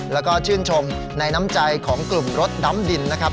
แล้วก็ชื่นชมในน้ำใจของกลุ่มรถดำดินนะครับ